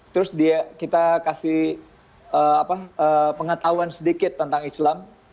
terus kita kasih pengetahuan sedikit tentang islam